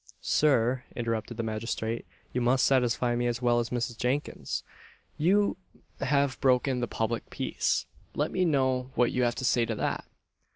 "Sir," interrupted the magistrate, "you must satisfy me, as well as Mrs. Jinkins; you have broken the public peace; let me know what you have to say to that?"